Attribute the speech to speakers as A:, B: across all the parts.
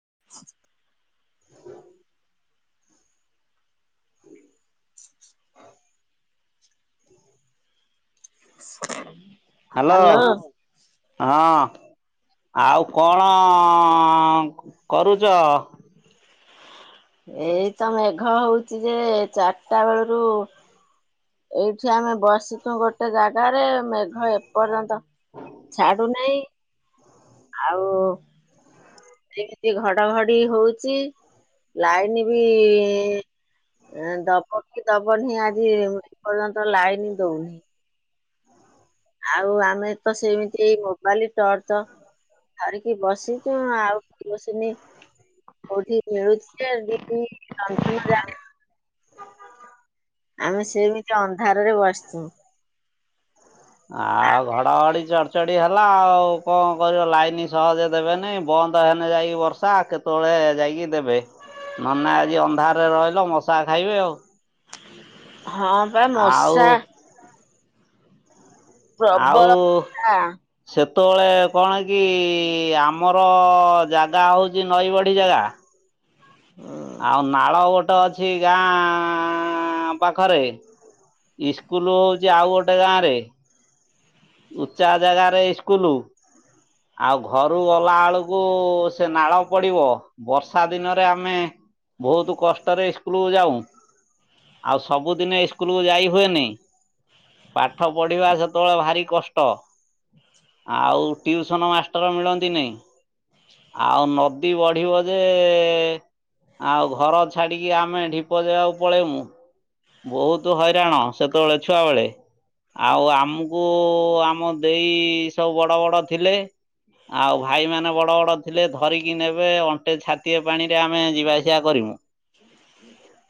A: [unintelligible] [unintelligible] [unintelligible] Hello
B: ହଁ ଆଉ କଣ କରୁଛ?
A: ଏଇତ ମେଘ ହଉଚି ଯେ ଚାରିଟା ବେଳରୁ। ଏଇଠି ଆମେ ବସିଛୁ ଗୋଟେ ଜାଗାରେ ମେଘ ଏପର୍ଯ୍ୟନ୍ତ ଛାଡ଼ୁ ନାଇଁ ଆଉ ଏମିତି ଘଡଘଡି ହଉଛି ଲାଇନ ବି ଦବକି ଦବନି ଆଜି ଏ ପର୍ଯ୍ୟନ୍ତ ଲାଇନ ଦଉନି ଆଉ ଆମେ ତ ସେମିତି ଏଇ ମୋବାଇଲ ଟର୍ଚ୍ଚ ଧରିକି ବସିଛୁ ଆଉ କିରୋସିିନି କୋଉଠି ମିଳୁଛି ଯେ ଡିବି ଲଣ୍ଠନ ଜାଳି ଆମେ ସେମିତି ଅନ୍ଧାରରେ ବସିଛୁ
B: ଆଉ ଘଡଘଡି ଚଡଚଡି ହେଲା ଆଉ କଣ କରିବ ଲାଇନ ସହଜେ ଦେବେନାହିଁ ବନ୍ଦ ହେନେ ଯାଇକି ବର୍ଷା କେତେବେଳେ ଯାଇକି ଦେବେ ନହେଲେ ଆଜି ଅନ୍ଧାରରେ ରହିଲ ମଶା ଖାଇବେ ଆଉ
A: ହଁ ବା
B: ଆଉ
A: ମଶା ପ୍ରବଳ
B: ତଳେ କଣ କି ଆମର ଜାଗା ହଉଛି ନଈ ବଢି ଜାଗା ଆଉ ନାଳ ଗୋଟେ ଅଛି ଗାଁ ପାଖରେ ଇସ୍କୁଲ ହଉଛି ଆଉ ଗୋଟେ ଗାଁରେ ଉଚ୍ଚା ଜାଗାରେ ଇସ୍କୁଲ ଆଉ ଘରୁ ଗଲା ବେଳକୁ ସେ ନାଳ ପଡିବ ବର୍ଷା ଦିନରେ ଆମେ ବହୁତ କଷ୍ଟରେ ଇସକୁଲ କୁ ଯାଉ ଆଉ ସବୁଦିନ ଇସ୍କୁଲକୁ ଯାଇ ହୁଏନି ପାଠ ପଢିବା ସେତେବେଳେ ଭାରି କଷ୍ଟ ଆଉ ଟିଉସନ ମାଷ୍ଟର ମିଳନ୍ତି ନାଇଁ ଆଉ ନ ନଈ ବଢିବ ଯେ ଆଉ ଘର ଛାଡିକି ଆମେ ଢିପ ଜାଗାକୁ ପଳେଇମୁ ବହୁତ ହଇରାଣ ସେତେବେଳେ ଛୁଆ ବେଳେ ଆଉ ଆମକୁ ଆମ ଦେଇ ସବୁ ବଡ ବଡ ଥିଲେ। ଆଉ ଭାଇ ମାନେ ବଡ ବଡ। ଥିଲେ ଧରିକି ନେବେ ଅଣ୍ଟେ ଛାତିଏ ପାଣିରେ ଆମେ ଯିବାଆସିବା କରିମୁ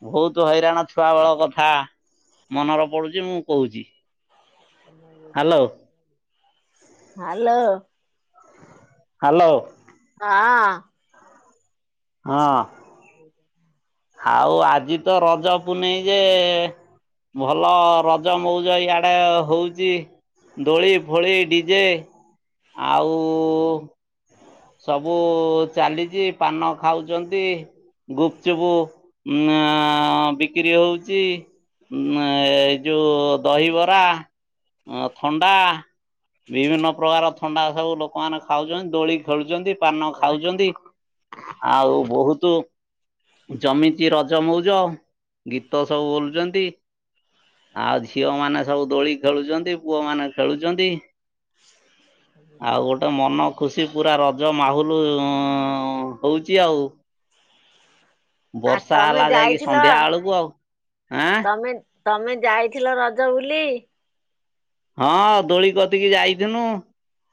B: ବହୁତ ହଇରାଣ ଛୁଆବେଳ କଥା ମନରେ ପଡୁଛି ମୁଁ କହୁଛି। Hello
A: hello.
B: ହ୍ୟାଲୋ।
A: ହଁ।
B: ହଁ
A: ହଉ
B: ଆଉ ଆଜି ତ ରଜ ପୁନେଇ ଯେ ଭଲ ରଜ ମଉଜ ଇଆଡେ ହଉଛି ଦୋଳି ଫୋଳି ଡିଜେ ଆଉ ସବୁ ଚାଲିଛି ପାନ ଖାଉଛନ୍ତି। ଗୁପଚୁପୁ ଉ ବିକ୍ରି ହଉଛି। ଉ ଏଇ ଯୋଉ ଦହିବରା ଅ ଥଣ୍ଡା ବିଭିନ୍ନ ପ୍ରକାର ଥଣ୍ଡା ସବୁ ଲୋକମାନେ ଖାଉଛନ୍ତି। ତଳିିକ ଖେଳୁଛନ୍ତି। ପାନ ଖାଉଛନ୍ତି। ଆଉ ବହୁତ ଜମିଛି ରଜ ମଉଜ। ଗୀତ ସବୁ ବୋଲୁଛନ୍ତି ଆଉ ଝିଅମାନେ ସବୁ ଦୋଳି ଖେଳୁଛନ୍ତି। ପୁଅମାନେ ଖେଳୁଛନ୍ତି। ଆଉ ଗୋଟେ ମନ ଖୁସି ପୁରା ରଜ ମାହୁଲୁ ହଉଛି ଆଉ।
A: ଆ
B: ବର୍ଷା
A: ତମେ
B: ହେଲା ଯାଇକି
A: ଯାଇଥିଲ
B: ସନ୍ଧ୍ୟା ବେଳକୁ ଆଉ ଆଁ।
A: ତମେ ତମେ ଯାଇଥିଲ ରଜ ବୁଲି।
B: ହଁ ଦୋଳି କତିକି ଯାଇଥିନୁ।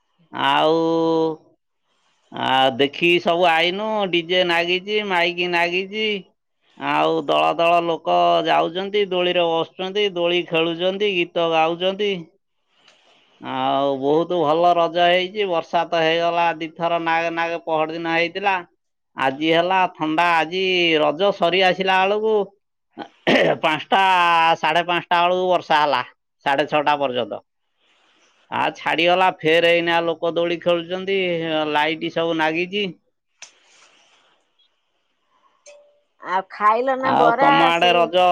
B: ଆଉ ଆ ଦେଖିକି ସବୁ ଆଇନୁ ଡିଜେ ନାଗିଛି ମାଇକି ନାଗିଛି ଆଉ ଦଳ ଦଳ ଲୋକ ଯାଉଛନ୍ତି ଦୋଳିରେ ବସୁଛନ୍ତି ଦୋଳି ଖେଳୁଛନ୍ତି ଗୀତ ଗାଉଛନ୍ତି। ଆଉ ବହୁତ ଭଲ ରଜ ହେଇଛି ବର୍ଷା ତ ହେଇଗଲା ଦିଥର ନାଗ ନାଗ ପହର ଦିନ ହେଇଥିଲା ଆଜି ହେଲା ଥଣ୍ଡା ଆଜି ରଜ ସରି ଆସିଲା ବେଳକୁ ପାଞ୍ଚଟା ସାଢେ ପାଞ୍ଚଟା ବେଳକୁ ବର୍ଷା ହେଲା ସାଢେ ଛଅଟା ପର୍ଯ୍ୟନ୍ତ। ଆଉ ଛାଡିଗଲା ଫେର ଏଇନା ଲୋକ ଦୋଡି ଖେଳୁଛନ୍ତି ଲାଇଟ୍ ସବୁ ଲାଗିଛି। [inaudible]
A: ଆପ
B: ଆଉ ତମ ଆଡେ ରଜ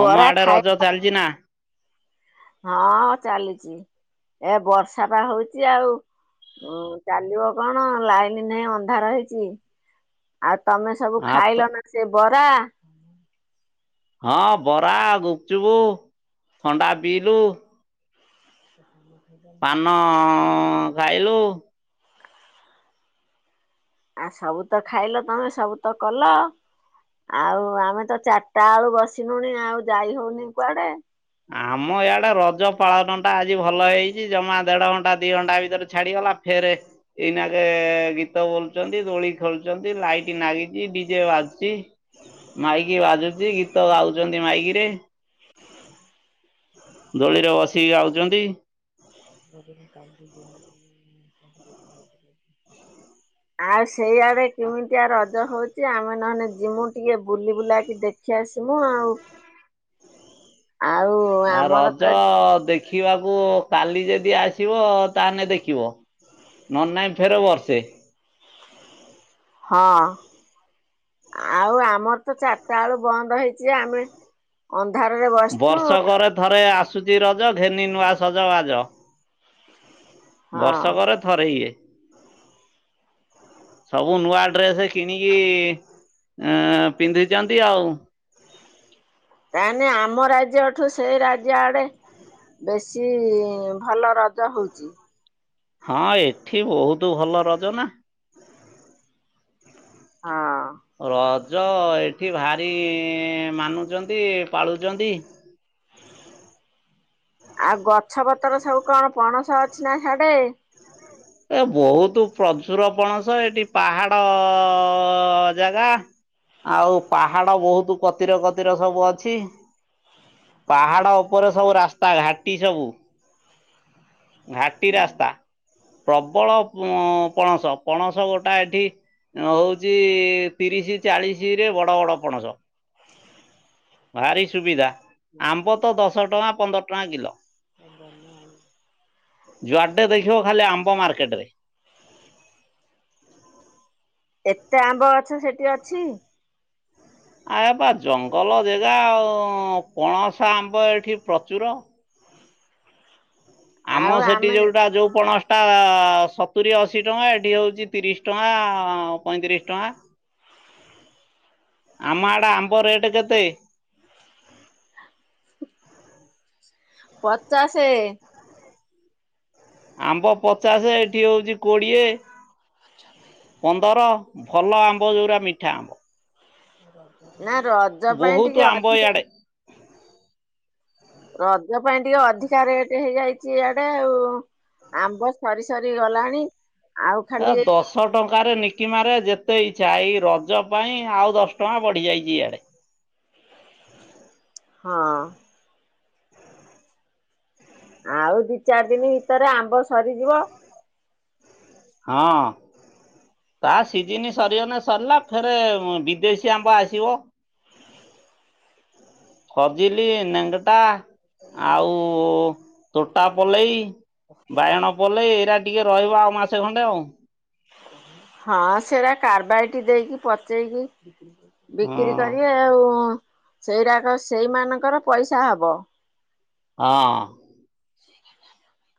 B: ତମ ଆଡେ
A: ଖାଇ
B: ରଜ ଚାଲିଛି ନା।
A: ହଁ ଚାଲିଛି ଏ ବର୍ଷା ବା ହଉଛି ଆଉ ଚାଲିବ କଣ ଲାଇନ ନେଇ ଅନ୍ଧାର ରହିଛି ଆଉ ତମେ ସବୁ
B: ଆ ତ
A: ଖାଇଲ ନା ସେ ବରା। [inaudible]
B: ହଁ ବରା ଗୁପଚୁପୁ ଥଣ୍ଡା ପିଇଲୁ। ପାନ ଖାଇଲୁ।
A: ଆ ସବୁ ତ ଖାଇଲ ତମେ ସବୁ ତ କଲ ଆଉ ଆମେ ତ ଚାରିଟା ବେଳୁ ବସିିଲୁଣି ଆଉ ଯାଇ ହଉନି କୁଆଡେ।
B: ଆମ ଇଆଡେ ରଜ ପାଳନ ଟା ଆଜି ଭଲ ହେଇଛି ଜମା ଦେଢ ଘଣ୍ଟା ଦି ଘଣ୍ଟା ଭିତରେ ଛାଡିଗଲା ଫେର ଏଇନାଗେ ଗୀତ ବୋଲୁଛନ୍ତି ଦୋଳି ଖେଳୁଛନ୍ତି ଲାଇଟ ନାଗିଛି ଡିଜେ ବାଜୁଛି ମାଇକି ବାଜୁଛି ଗୀତ ଗାଉଛନ୍ତି ମାଇକିରେ। ଦୋଳିରେ ବସିକି ଗାଉଛନ୍ତି।
A: [inaudible] ଆ ସେଇଆଡେ କେମିତଆ ରଜ ହଉଛି? ଆମେ ନହେଲେ ଯିମୁ ଟିକେ ବୁଲି ବୁଲାକି ଦେଖି ଆସମୁ ଆଉ। ଆଉ
B: ଆ
A: ଆମର
B: ରଜ
A: ତ ଏଠି-
B: ଦେଖିବାକୁ କାଲି ଯେ ଯଦି ଆସିବ ତାହେଲେ ଦେଖିବ ନହେଲେ ନାଇ ଫେର ବର୍ଷେ।
A: ହଁ ଆଉ ଆମର ତ ଚାରିଟା ବେଳୁ ବନ୍ଦ ହେଇଛି ଆମେ ଅନ
B: ବର୍ଷକରେ ଥରେ ଆସ ଆସୁଛି ରଜ ଘେନି ନୂଆ ସଜ ବାଜ।
A: ହଁ
B: ବର୍ଷକରେ ଥରେ ଇଏ। ସବୁ ନୂଆ ଡ୍ରେସ କିଣିକି ଇ ପିନ୍ଧିଛନ୍ତି ଆଉ।
A: କ ନ ଆମ ରାଜ୍ୟ ଠୁ ସେଇ ରାଜ୍ୟ ଆଡେ ବେଶୀ ଭଲ ରଜ ହଉଛି।
B: ହଁ ଏଠି ବହୁତ ଭଲ ରଜ ନା।
A: ହଁ।
B: ର ଯ ଏଠି ଭାରି ମାନୁଛନ୍ତି ପାଳୁଛନ୍ତି।
A: ଆଉ ଗଛ ପତର ସବୁ କଣ ପଣସ ଅଛି ନା ହିଆଡେ।
B: ଏ ବହୁତ ପ୍ରଚୁର ପଣସ ଏଠି ପାହାଡ ଅ ଜାଗା ଆଉ ପାହାଡ ବହୁତ କତିରେ କତିରେ ସବୁ ଅଛି ପାହାଡ ଉପରେ ସବୁ ରାସ୍ତା ଘାଟି ସବୁ। ଘାଟି ରାସ୍ତା ପ୍ରବଳ ପଣସ ପଣସ ଗୋଟା ଏଠି ହଉଛି ତିରିଶ ଚାଳିଶ ରେ ବଡ ବଡ ପଣସ। ଭାରି ସୁବିଧା ଆମ୍ବ ତ ଦଶ ଟଙ୍କା ପନ୍ଦର ଟଙ୍କା କିଲୋ । ଯୁଆଡେ ଦେଖିବ ଖାଲି ଆମ୍ବ ମାର୍କେଟ ରେ।
A: ଏତେ ଆମ୍ବ ଗଛ ସେଠି ଅଛି।
B: ଆ ଏ ବା ଜଙ୍ଗଲ ଜାଗା ଆଉ ପଣସ ଆମ୍ବ ଏଠି ପ୍ରଚୁର। ଆମ
A: ଆଉ
B: ସେଠି
A: ଆମେ
B: ଯୋଉଟା ଯୋଉ ପଣସ୍ ତା ସତୁରିୀ ଅଶୀ ଟଙ୍କା ଏଠି ହଉଛି ତିରିଶ ଟଙ୍କା ପଇତିରିଶ ଟଙ୍କା । ଆମ ଆଡେ ଆମ୍ବ ରେଟ କେତେ?
A: ପଚାସେ।
B: ଆମ୍ବ ପଚାଶ ଏଠି ହଉଛି କୋଡିଏ ପନ୍ଦର ଭଲ ଆମ୍ବ ଯୋଉରା ମିଠା ଆମ୍ବ।
A: ନା ରଜ ପାଇଁ
B: ବହୁତ
A: ଟିକେ
B: ଆମ୍ବ
A: ଅଧିକା।
B: ଇଆଡ଼େ
A: ରଜ ପାଇଁ ଟିକେ ଅଧିକା ରେଟ ହେଇଯାଇଛି ଇଆଡେ ଆଉ ଆମ୍ବ ସରି ସରି ଗଲାଣି। ଆଉ
B: ଏ
A: ଖାଲି
B: ଦଶ ଟଙ୍କାରେ ନି । କିମାରେ ଯେତେ ଇଛା ଏଇ ରଜ ପାଇଁ ଆଉ ଦଶ ଟଙ୍କା ବଢି ଯାଇଛି ଇଆଡେ।
A: ହଁ। ଆଉ ଦି ଚାରି ଦିନ ଭିତରେ ଆମ୍ବ ସରିଯିବ।
B: ହଁ ତା ସିଜିିନ ସରିଗନ ସରିଲା ଫେରେ ବିଦେଶୀ ଆମ୍ବ ଆସିବ। ଖୋଜିଲି ନେଙ୍ଗଟା ଆଉ ତୋଟା ପଲେଇ ବାଇଗଣ ପଲେଇ ଏଇଟା ଟିକେ ରହିବ ଆଉ ମାସେ। ସେ ଖଣ୍ଡେ ଆଉ।
A: ହଁ ସେଟା କାରବାଇଟି ଦେଇକି ପଚେଇକି ବିକ୍ରି
B: ହଁ
A: କରିବେ ଆଉ। ସେଇଟାକ ସେଇମାନଙ୍କର ପଇସା ହବ।
B: ହଁ।
A: [unintelligible]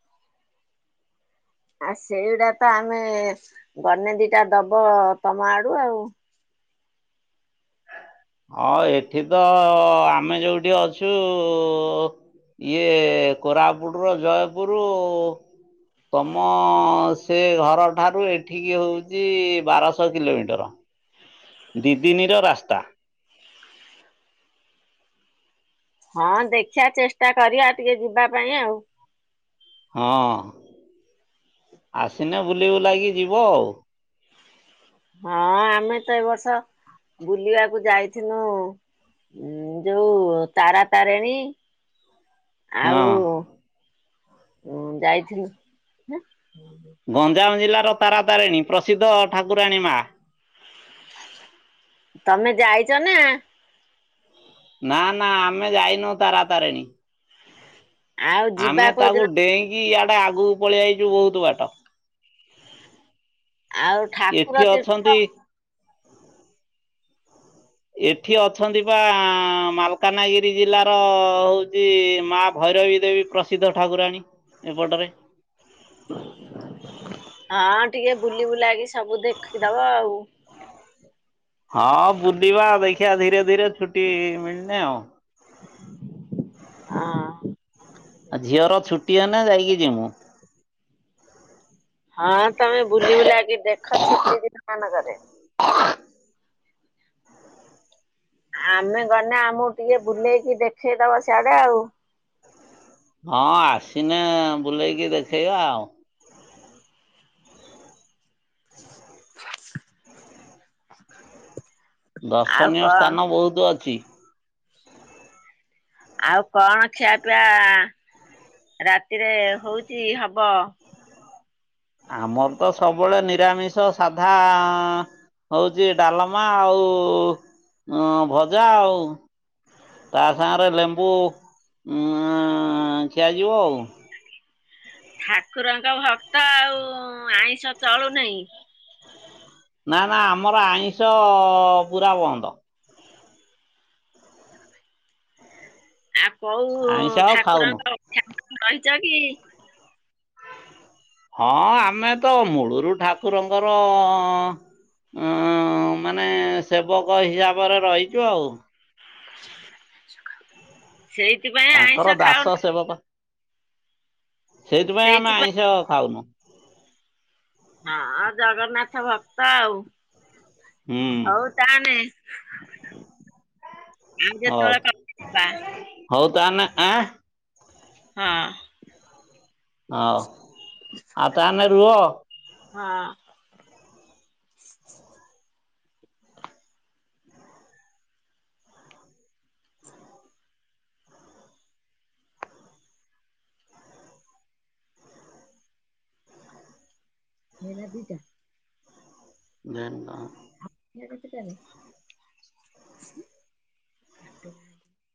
A: ଆ ସେଇଟା ତ ଆମେ ଗଣେ ଦିଟା ଦବ ତମ ଆଡୁ ଆଉ।
B: ହଁ ଏଠି ତ ଆମେ ଯୋଉଠି ଅଛୁ ଇଏ କୋରାପୁଟର ଜୟପୁର ତମ ସେ ଘର ଠାରୁ ଏଠିକି ହଉଛି ବାରଶହ କିଲୋମିଟର। ଦିଦିନୀର ରାସ୍ତା।
A: ହଁ ଦେଖିବା ଚେଷ୍ଟା କରିବା ଟିକେ ଯିବା ପାଇଁ ଆଉ।
B: ହଁ ଆସିନେ ବୁଲି ବୁଲାକି ଯିବ ଆଉ।
A: ହଁ ଆମେ ତ ଏ ବର୍ଷ ବୁଲିବାକୁ ଯାଇଥିଲୁ ଯୋଉ ତାରା ତାରିଣୀ। ଆଉ
B: ହଁ
A: ଉଁ ଯାଇଥିଲୁ
B: ଗଞ୍ଜାମ ଜିଲ୍ଲା ର ତାରା ତାରିଣୀ ପ୍ରସିଦ୍ଧ ଠାକୁରାଣୀ ମା
A: ତମେ ଯାଇଛ ନା?
B: ନା ନା ଆମେ ଯାଇନୁ ତାରା ତାରିଣୀ।
A: ଆଉ ଯିବା କୋଉଦିନ
B: କି ଇଆଡେ ଆଗକୁ ପଳେଇ ଆଇଚୁ ବହୁତ ବାଟ
A: ଆଉ
B: ।
A: ଠାକୁର
B: ଏଠି
A: ତୀର୍ଥ
B: ଅଛନ୍ତି ଏଠି ଅଛନ୍ତି ବା ମାଲକାନଗିରି ଜିଲ୍ଲାର ହଉଛି ମା ଭୈରବୀ ଦେବୀ ପ୍ରସିଦ୍ଧ ଠାକୁରାଣୀ ଏପଟରେ।
A: ହଁ ଟିକେ ବୁଲି ବୁଲାକି ସବୁ ଦେଖିଦବ ଆଉ।
B: ହଁ ବୁଲିବା ଦେଖିବା ଧୀରେ ଧୀରେ ଛୁଟି ମିଳିନି ଆଉ।
A: ହଁ।
B: ଆଉ ଝିଅର ଛୁଟି ହେନେ ଯାଇକି ଯିବୁ।
A: ହଁ। ତମେ ବୁଲି ବୁଲାକି ଦେଖ ଛୁଟି ଦିନ ମାନଙ୍କରେ ଆମେ ଗଲେ ଆମକୁ ଟିକେ ବୁଲେଇକି ଦେଖେଇଦବା ସିଆଡେ ଆଉ।
B: ହଁ ଆସିନେ ବୁଲେଇକି ଦେଖେଇବା ଆଉ।
A: [inaudible] ଆଉ
B: ଦର୍ଶନୀୟ
A: କଣ
B: ସ୍ଥାନ ବହୁତ ଅଛି ।
A: ଆଉ କଣ ଖିଆ ପିଆ ରାତିରେ ହଉଚି ହବ?
B: ଆମର ତ ସବୁବେଳେ ନିରାମିଷ ସାଧା ହଉଛି ଡାଲମା ଆଉ ଭଜା ଆଉ ତା ସାଙ୍ଗରେ ଲେମ୍ବୁ ଖିଆଯିବ ଆଉ
A: ଠାକୁରଙ୍କ ଭକ୍ତ ଆଉ ଆଇଁଷ ଚଳୁନେଇଁ
B: ନା ନା ଆମର ଆଇଁଷ ପୁରା ବନ୍ଦ।
A: ଆଉ କୋଉ
B: ଆଇଁଷ ଆଉ ଖାଉନୁ।
A: ଠାକୁରଙ୍କ ରହିଛ କି?
B: ହଁ ଆମେ ତ ମୂଳୁରୁ ଠାକୁରଙ୍କର ମାନେ ସେବକ ହିସାବରେ ରହିଛୁ ଆଉ ।
A: [unintelligible] ସେଇଥିପାଇଁ
B: ତାଙ୍କର
A: ଆଇଁଷ
B: ଦାସ
A: ଖାଉନ।
B: ସେବକ ସେଇଥିପାଇଁ ଆମେ ଆଇଁଷ ଖାଉନୁ ।
A: ହଁ ଜଗନ୍ନାଥ ଭକ୍ତ ଆଉ।
B: ହୁଁ
A: ହଉ ତାହେନେ [unintelligible] ଆଉ
B: ହଉ
A: ଯେତେବେଳେ କଥା ହବା।
B: ହଉ ତାହେନେ ଆଁ
A: ହଁ।
B: ହଁ ଆଉ ତାହେନେ ରୁହ।
A: ହଁ। ହେଲା ଦିଟା ।
B: [unintelligible]
A: [unintelligible]